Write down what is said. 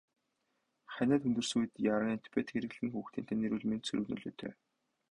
Ханиад хүндэрсэн үед яаран антибиотик хэрэглэх нь хүүхдийн тань эрүүл мэндэд сөрөг нөлөөтэй.